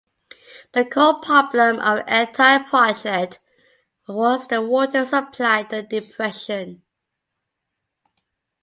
The core problem of the entire project was the water supply to the depression.